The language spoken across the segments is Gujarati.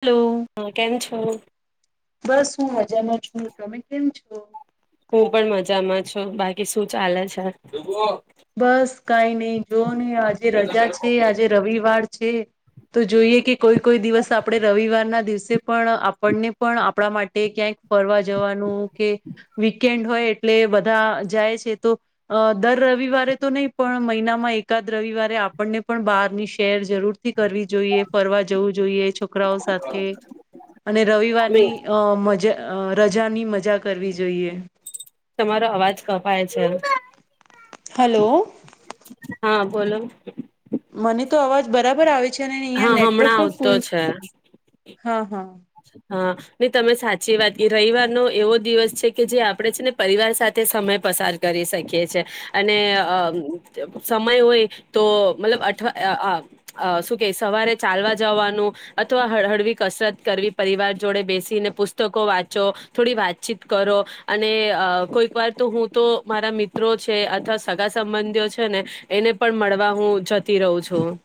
હલો. હા કેમ છો હું બસ હું મજામાં છું તમે કેમ છો? હું પણ મજામાં છું બાકી શું ચાલે છે? બસ કઈ નહી જો નને આજે રજા છે આજે રવિવાર. છે તો જોઈએ કે કોઈ કોઈ દિવસ આપણે રવિવાર ના દિવસે પણ આપણને પણ આપ આપણા માટે ક્યાંક ફરવા જવાનું કે વીકેન્ડ હોય એટલે બધા જાય છે તો દર રવિવારે તો નહીં પણ મહિનામાં એકાદ રવિવારે આપણને પણ બહારની શેર જરૂર થી કરવી જોઈએ ફરવા જવું જોઈએ છોકરાઓ સાથે અને રવિવારની અ મજા અ રજાની મજા કરવી જોઈએ. તમારો અવાજ કપાય છે. હલો. હા બોલો. મને તો અવાજ બરાબર આવે છે અને અહિયાં હા નેટવર્ક હમણાં પણ આવતો ફૂલ છે. હા હા. હા નહી તમે સાચી વાત રવિવારનો એવો દિવસ છે કે જે આપણેે છે ને પરિવાર સાથે સમય પસાર કરી શકીએ છે અને અ સમય હોય તો મતલબ અઠવા શું કે સવારે ચાલવા જવાનું અથવા હળ હળવી કસરત કરવી. પરિવાર જોડે બેસીને પુસ્તકો વાંચો થોડી વાતચીત કરો અને કોઈક વાર તો હું તો મારા મિત્રો છે અથવા સગા સંબંધીઓ છે ને એને પણ મળવા હું જતો. રહું છું.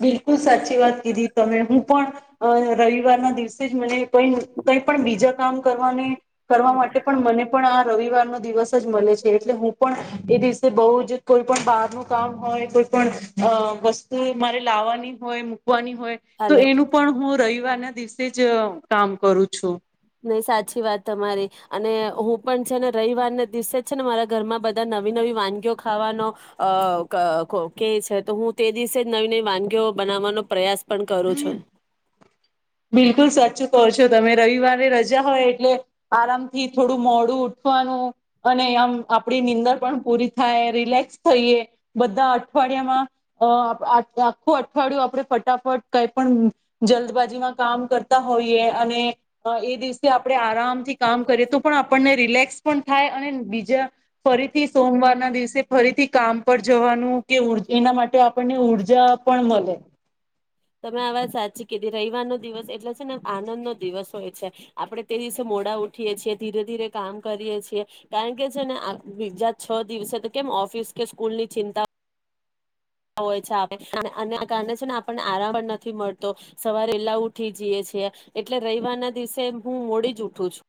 બિલકુલ સાચી વાત કીધી તમે હું પણ રવિવારના દિવસે જ મને કઈ કઈ પણ બીજા કામ કરવાને કરવા માટે પણ મને પણ આ રવિવાર નો દિવસ જ મલે છે એટલે હું પણ એ દિવસે બહુ જ કોઈ પણ બહાર નું કામ હોય કોઈ પણ અહ વસ્તુ ઈ મારે લાવવાની હોય મૂકવાની હોય તો હલો એનું પણ હું રઈ વાર ના દિવસે જ કામ કરું છું. નહીં સાચી વાત તમારી, અને હું પણ છે ને રઈવારના દિવસે જ છે ને મારા ઘરમાં બધા નવી-નવી વાનગીઓ ખાવાનો અહ ક કે છે તો હું તે દિવસે જ નવી-નવી વાનગીઓ બનાવાનો પ્રયાસ પણ કરું છું બિલકુલ સાચું કહો છો તમે. રવિવારે રજા હોય એટલે આરામથી થોડું મોડું ઉઠવાનું અને આમ આપડી નીંદર પણ પૂરી થાય, રિલેક્સ થઈએ બધા અઠવાડિયામાં અહ આ આખું અઠવાડિયું આપડે ફટાફટ કાઈ પણ જલ્દબાજીમાં કામ કરતા હોઈએ અને ઈ દિવસે આપણે આરામથી કામ કરીએ તો પણ આપણને રિલેક્સ પણ થાય અને બીજા ફરીથી સોમવારના દિવસે ફરીથી કામ પર જવાનું કે [unintelligible] ના માટે આપણને ઉર્જા પણ મળે. તમે આ વાત સાચી કીધી. રઈવાર નો દિવસ એટલે છે ને આનંદ નો દિવસ હોય છે. આપણે તે દિવસે મોડા ઉઠીયેએ છીએ, ધીરે-ધીરે કામ કરીએ છીએ કારણ કે છે ને આ બીજા છ દિવસે તો કેમ ઓફિસ કે સ્કૂલ ની ચિંતા હોય છે [unintelligible] આના કારણે છે ને આપણને આરામ પણ નથી મળતો, સવારે વેલા ઉઠી જઈએ છે, એટલે રઈવારના દિવસે હું મોડી જ ઉઠું છું.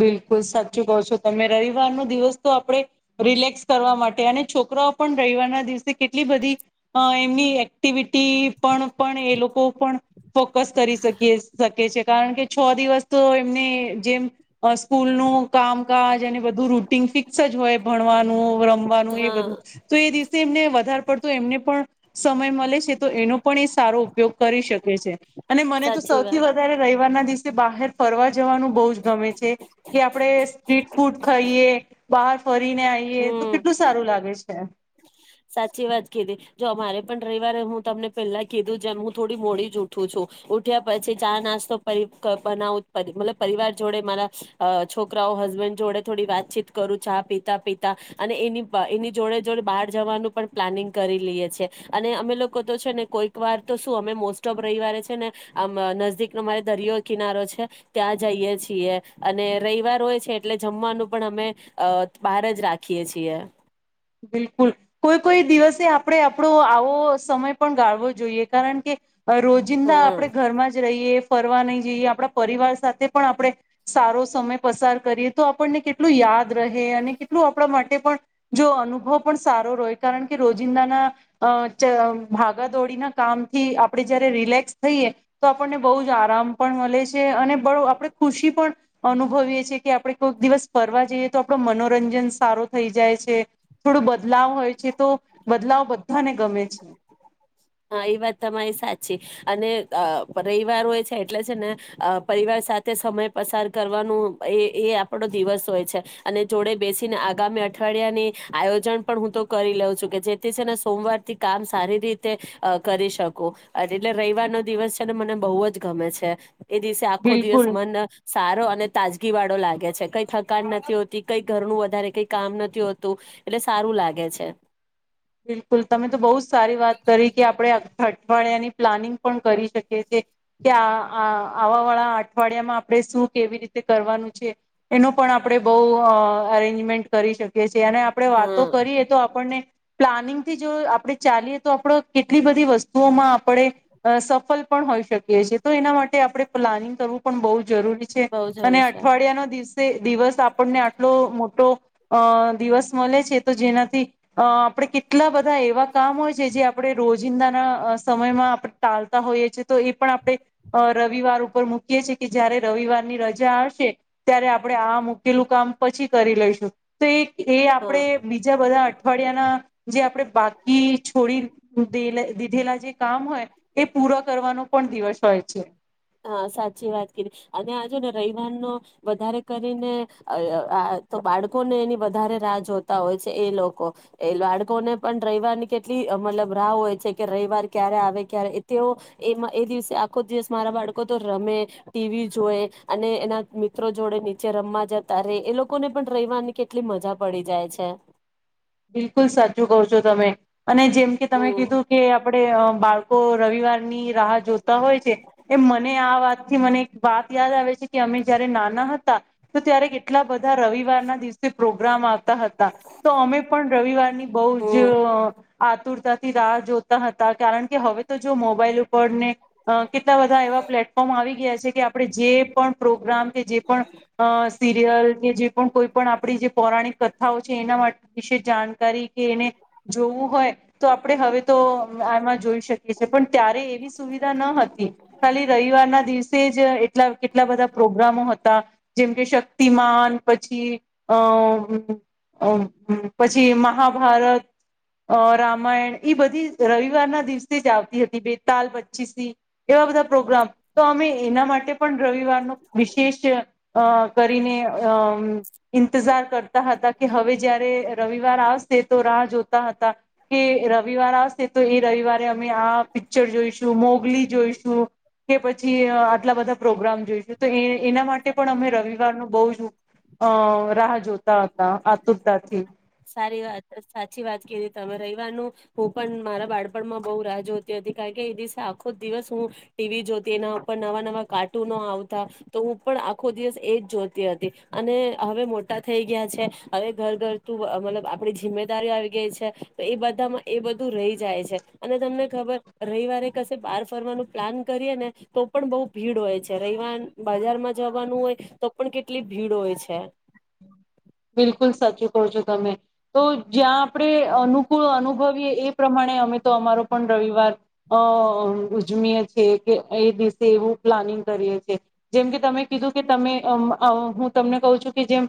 બિલકુલ સાચું કહો છો તમે, રવિવારનો દિવસ તો આપણે રિલેક્સ કરવા માટે અને છોકરાઓ પણ રઈવારના દિવસે કેટલી બધી અહ એમની એક્ટિવિટી પર પણ એ લોકો પણ ફોકસ કરી શકીએ શકે છે કારણ કે છ દિવસ તો એમને જેમ અહ સ્કૂલ નું કામકાજ અને બધું રૂટીન ફિક્સ જ હોય ભણવાનું, રમ વાનું એ હા બધું તો એ દિવસે એમને વધાર પડતું એમને પણ સમય મલે છે, તો એનો પણ એ સારો ઉપયોગ કરી શકે છે. અને મને તો સાચી સૌથી વાત વધારે રઈવારના દિવસ સે બહાર ફરવા જવાનું બહું જ ગમે છે કે આપણે સ્ટ્રીટ ફૂડ ખાઈએ, બહાર ફરીને આઈએ, તો હમ કેટલું સારું લાગે છે. સાચી વાત કીધી જો અમારે પણ રવિવારે હું તમને પહેલા કીધું જેમ હું થોડી મોડી જ ઉઠું છું ઉઠ્યા પછી ચા નાસ્તો બનાવું મતલબ પરિવાર જોડે મારા છોકરાઓ હસબેન્ડ જોડે થોડી વાતચીત કરું ચા પીતા પીતા અને એની એની જોડે જોડે બાર જવાનું પણ પ્લાનિંગ કરી લઈએ છેએ અને અમે લોકો તો છે ને કોઈક વાર તો શું અમે મોસ્ટ ઓફ રવિવારે છે નેમ નદીકનો અમારે દરિયો કિનારો છે ત્યાં જઈએ છીએ અને રવવાર હોય છે એટલે જમવાનું પણ અમે બહાર જ રાખીએ છીએ. બિલકુલ કોઈ કોઈ દિવસે આપણે આપણો આવો સમય પણ ગાળવો જોઈએ કારણ કે રોજિંદા હા આપણે ઘરમાં જ રહીએ. ફર નહી જઈએ આપણા પરિવાર સાથે પણ આપણે સારો સમય પસાર કરીએ તો આપણને કેટલું યાદ અને કેટલું આપણા માટે પણ જો અનુ અ પણ સારો રય કારણ કે રોજિંદાના ભાગા દોડીના કામથી આપણે જયારે રિલેક્સ થઈએ તો આપણને બહુ જ આરામ પણ મળે છે અને બ આપ ખુશી પણ અનુભવીએ છીએ કે આપડણે કોઈક દિવસ ફરવા જઈએ તો આપણો મનોરંજન સારો થઈ જાય છે. થોડો બદલાવ હોય છે તો બદલાવ બધાને ગમે છે. હા એ વાત તમારી સાચી અને રવિવાર હોય છે એટલે છે ને પરિવાર સાથે સમય પસાર કરવાનો એ એ આપડો દિવસ હોય છે અને જોડે બેસીને આગામી અઠવાડિયાની આયોજન પણ હું તો કરી લઉં છું કે જેથી છે ને સોમવાર થી કામ સારી રીતે કરી શકું એટલે રવવાર નો દિવસ છે ને મને બહુ જ ગમે છે. એ દિવસે આખો, બિલકુલ દિવસ મન સારો અને તાજ. ી વાળો લાગે છે, કઈ થકાન નથી હોતી કઈ ઘરનું વધારે કઈ, કામ નથી હોતું એટલે સારું લાગે છે. બિલકુલ તમે તો બહુ. સારી વાત કરી કે, આપડે. અઠવાડિયા ની પ્લાનિંગ પણ કરી શકીએ છી, કે આ આવા વાળા અઠવાડિયામાં આપણે શું કેવી રીતે કરવાનું છે, એનો પણ આપણેે બઉ અરેન્જમેન્ટ કરી શકીએ છએ. ત્યાંને આપડણે હા વાતો, કરીએ તો આપણને. પ્લાનિંગથી જો આપણે ચાલીએ તો આપડ કેટલી બધી વસ્તુઓમાં આપણે સફળ પણ હોઈ શકીએ છીએ તો એના માટે આપણે પ્લાનિંગ કરવું પણ બહુ જ. જરૂરી છે, બઉ જ આવે અને છે અઠવાડિયાનોો દિવસ. દિવસ આપણને આટલો મોટો અ દિવસ મળે છે, તો જેનાથી અ. આપણે કેટલા બધા એવા કામ હોય છે, જે આપણે રોજિંદાના સમયમાં આ, પણે ટાલતા હોઈએ છીએ તો એ પણ આપણે રવિવાર ઉપર મૂકીએ છીએ, કે જયારે રવિવારની રજા આવશે ત્યારે આપણે આ મૂકેલું કામ પછી કરી લઈશું તો એ. એ હા આપડે બીજા બધા. હરિયાણા. જે આપણે બાકી છોડી દે દીધેલા જે કામ હોય, એ પૂરા કરવાનો પણ દિવસ હોય છે. હા સાચી વાત કરી અને આજ ને રવવારનો વધારે કરીને તો બાળકોને એની વધારે રાહ જોતા હોય છે એ લોકો એ બાળકોને પણ રવિવારની કેટલી મતલબ રાહ હોય છે, કે રવિવાર ક્યારે આવે ક્યારે, તેઓ એ એ દિવસે આખો દિવસ મારા બાળકો. લોકો તો રમે ટીવી જોય, અને એના મિત્રો જોડે, નીચે રમવા જતા રે એ લોકોને પણ રેવાની કેટલી મજા પડી જાય છે. બિલકુલ સાચું કહ છો, તમે. અને જેમ કે, તમે હમ કીધું કે આપણે. બાળકો રવિવારની રાહ જોતા હોય છે એ મને આ વાતથી મને એક વાત યાદ આવે છે, કે અમે જયારે નાના હતા તો ત્યારે કેટલા બધા રવિવારના દિવસે, પ્રોગ્રામ આવતા હતા તો. પણ રવિવાર, ની બહ જ. હમ આતુરતાથી રાહ, જોતા હતા કારણ, કે હવે તો જો મોબાઈલ ઉપરને. અ કેટલા બધા, એવા પ્લેટફોર્મ, આવી ગયા છે. કે આપણે જે પણ પ્રોગ્રામ કે, જે પણ સીરિયલ કે જે. પણ કોઈ પણ આપણી જે પૌરાણિક કથાઓ છે એના માટે. વિશે જાણકારી કે એને જોવું હોય તો આપણે હવે તો આમાં જોઈ શકીએ છે, પણ ત્યારે એવી સુવિધા ન હતી ખાલી રવિવારના દિવસે, જ એટલા કેટલા બધા પ્રોગ્રામો હતા, જેમકે શક્તિમાન પછી અ. હમ પછી મહાભારત રામાયણ ઈ બધી રવિવારના દિવસે જ, આવતી હતી, બેતાલ પચ્ચીસથી એવા બધા પ્રોગ્રામ. તો અમે એના માટે, પણ રવિવારનો વિશેષ અ કરીને અ. ઇંતજાર. કરતા હતા, કે હવે. રવિવાર આવશે તો રાહ, જોતા હતા કે રવિવાર આવશે તો એ રવિવારે અમે આ પિક્ચર જોઈશું મોગલી જોઈશું, કે પછી આટલા બધા પ્રોગ્રામ જોઈશું, તો એના માટે પણ અમે રવિવાર ન, બહ જ અ રાહ જોતા હતા. તૂતાથી. સારી વાત સાચી વાત કી તમે રવવારનું હું, પણ મારા બાળપણમાં બઉુ રાહ જોતી હતી કારણ કે, એ દિવસે આખો જ દિવસ હું ટીવી જોતી એના ઉપર નવા નવા કાર્ટૂનો આવતા તો હું, પણ આખો દિવસ એજ જોતી હતી અને હવે મોટા થઈ ગયા છે, હવે ઘર ઘર. મતલબ આપણી જિમ્મેદારીઓ આવી ગઈ છે એ બધામાં એ બધું રહી જાય છે અને તમને ખબર રવિવારે કશે બહાર ફરવાનું પ્લાન કરીએ ને તો પણ બહુ ભીડ હોય છે, રવવાર બજારમાં જવાનું હોય, તો પણ કેટલી ભીડ હોય છે. બિલકુલ સાચું કહો છો, તમે તો જ્યાં આપણે અનુકૂળ અનુભવીએ એ પ્રમાણે અમે તો અમારો પણ રવિવાર અ ઉજવીય છીએ, કે એ દિવસે એવું પ્લાનિંગ કરીએ છેીએ, જેમ કે તમે કીધું કે તમે હું તમને કહું છું કે જેમ.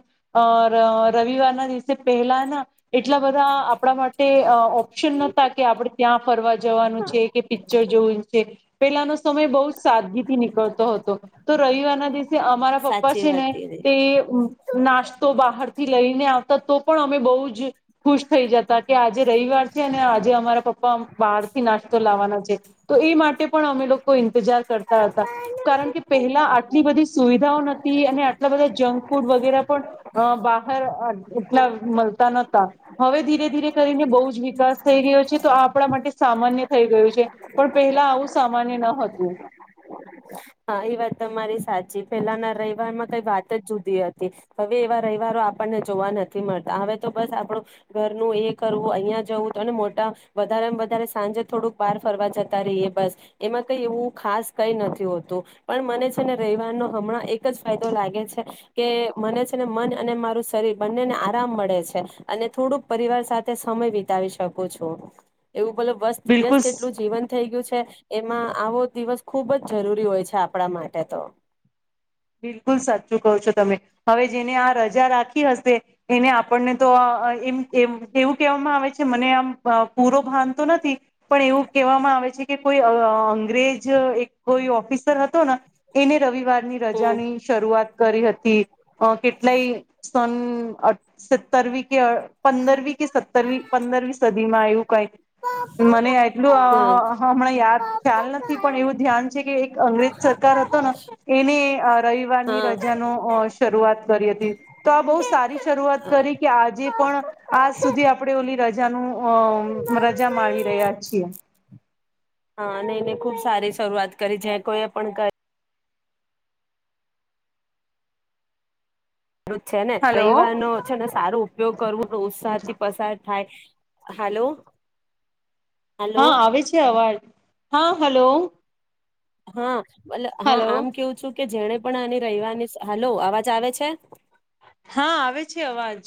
રવિવાર ના દિવસે પહેલા, એટલા બધા આપણા માટે. તે ઓપ્શન નતા કે આપડે ત્યાં ફરવા જવાનું છે, કે પિક્ચર જોવું છે, પેલાનો સમય બહ સાદગીથી નીકળતો હતો તો રવિવારના દિવસે અમારા પપ્પા સાચી છે, વાત ને કીધી તે નાસ્તો બહ. લઈને આવતા તો પણ, અમે બહુ જ ખુશ થઈ જતા. કે આજે રવિર છે, અને આજે અમારા. પણ બહાર થી નાસ્તો લાવવાના તો એ માટે પણ અમે લોકો ઈન જર કરતા હતા કારણ કે પહેલા આટલી બધી સુવિધાઓ નથી અને આટલા બધા જંક ફૂડ વગેરે પણ અહ બહાર અ એટલા મળતા નહતા, હવે ધીરે ધીરે કરીને બહુ જ વિકાસ થઈ રહ્યો છે તો આ આપણા માટે સામાન્ય થઈ ગયું છે, પણ પહેલા આવું સામાન્ય ન હતું. હા ઈ વાત તમારી સાચી. પેલાના રઈવારમાં કાઈ વાત જ જુદી હતી. હવે એવા રવિવારો આપણને જોવા નથી મળતા, હવે તો બસ આપડું ઘરનું એ કરવું, અહિયાં જવું, અને મોટા વધારમાંવધારે સાંજે થોડુંક બહાર ફરવા જતા રહીએ બસ, એમાં કઈ એવું ખાસ કઈ નથી હોતું. તું પણ મને છે ને રઈવારનો હમણાં એક જ ફાયદો લાગે છે કે મને છે ને મન અને મારું શરીર બંનેને આરામ મળે છે અને થોડુંક પરિવાર સાથે સમય વિતાવી શકું છું. એવું બલબ વસ્ત બિલકુલ વ્યસ્ત એટલું જીવન થઈ ગયું છે એમાં આવો દિવસ ખુબ જ જરૂરી હોય છે. છે આપણા માટે તો. બિલકુલ સાચું કહો છો તમે. હવે જેને આ રજા રાખી હશે એને આપણને તો અહ એમ-એમ એવું કહેવામાં આવે છે મને આમ પૂરો ભાન તો નથી પણ એવું કહેવામાં આવે છે કે કોઈ અહ અ અંગ્રેજ એક કોઈ ઓફિસર હતો ના એને રવિવારની ર જા હમ ની શરૂઆત કરી હતી. અહ કેટલાય સન સતરવી કે પંદરવી કે સત્તરવી પંદરવી સદી માં આવું કાઈ. મને એટલું હમ હ-હ હમણાં યાદ ખ્યાલ નથી પણ એવું ધ્યાન છે કે એક અંગ્રેજ સરકાર હતો ના એને અહ રઈવારની હા રજાનો અહસ શરૂઆત કરી હતી, તો આ બહું સારી શરૂઆત કરી કે આજે પણ આજ સુધી આપણે ઓલી રજાનું અહ રજા માળી રહ્યા છીએ. હા અને એને ખુબ સારી શરૂઆત કરી જે કોઈએ પણ કરી. [unintelligible] છે ને હલો રઈવારનો છે ને સારો ઉપયોગ કરવો અને ઉત્સાહ થી પસાર થાય હલો. હા આવે છે અવાજ. હા હલો. હા. મતલ હા હલો આમ કેવું છું કે જેને પણ આની રઈવારની, સ હલો અવાજ આવે છે? હા, આવે છે અવાજ.